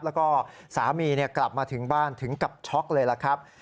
แล้วก็สามีกลับมาถึงบ้านถึงกับช็อกเลยล่ะครับ